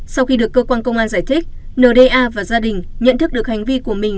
sau khi được cơ quan công an giải thích nda và gia đình nhận thức được hành vi của mình